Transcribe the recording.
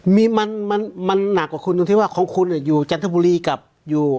มีมันหนักกว่าคุณตรงที่ว่าของคุณอยู่จันทบุรีกับอยู่